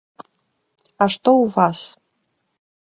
А што ў вас?